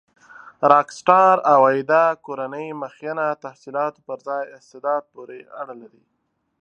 راک سټار عوایده کورنۍ مخینه تحصيلاتو پر ځای استعداد پورې اړه لري.